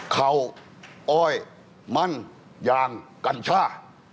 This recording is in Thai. เขาอ้อยมันยางกัญชา